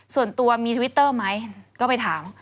ส่วนตัวมีทวิตเตอร์ไหมก็ไปถาม